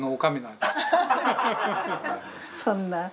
そんな。